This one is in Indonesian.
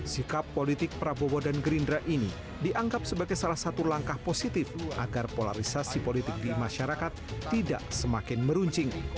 sikap politik prabowo dan gerindra ini dianggap sebagai salah satu langkah positif agar polarisasi politik di masyarakat tidak semakin meruncing